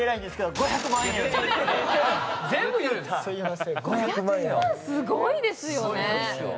５００万、すごいですよね。